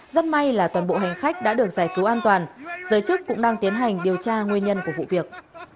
rất may là toàn bộ hành khách đã được giải cứu an toàn giới chức cũng đang tiến hành điều tra nguyên nhân của vụ việc